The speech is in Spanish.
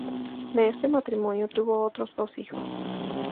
De este matrimonio tuvo otros dos hijos.